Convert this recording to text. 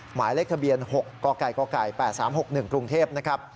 หมายเลขทะเบียน๖กก๘๓๖๑กรุงเทพนะครับ